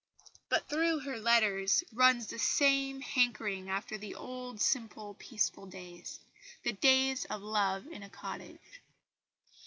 But through her letters runs the same hankering after the old simple, peaceful days the days of love in a cottage.